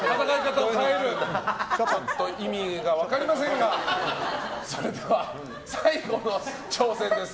ちょっと意味が分かりませんがそれでは最後の挑戦です。